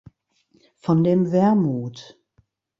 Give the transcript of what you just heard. Von dem wermut.